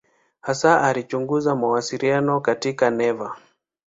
Hasa alichunguza mawasiliano katika neva.